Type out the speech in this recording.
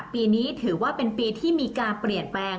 ปีนี้ถือว่าเป็นปีที่มีการเปลี่ยนแปลง